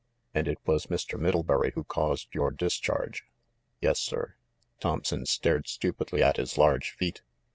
"And it was Mr. Middlebury who caused your dis charge?" "Yes, sir." Thompson stared stupidly at his large feet.